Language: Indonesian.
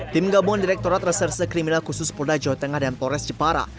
tim gabungan direkturat reserse kriminal khusus polda jawa tengah dan tores jepara